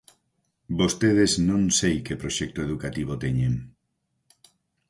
Vostedes non sei que proxecto educativo teñen.